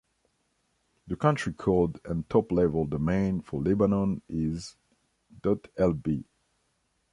The country code and top-level domain for Lebanon is ".lb".